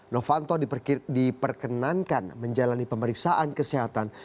novanto diperkenankan menjalani pemeriksaan kesehatan